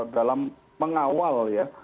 dalam mengawal ya